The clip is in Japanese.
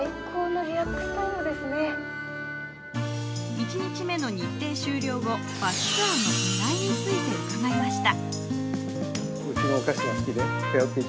１日目の日程終了後、バスツアーの狙いについて伺いました。